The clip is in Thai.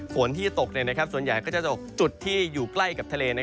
ฝนที่ตกส่วนใหญ่ก็จะตกจุดที่อยู่ใกล้กับทะเล